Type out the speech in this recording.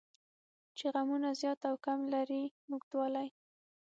چې غمونه زیات او کم لري اوږدوالی.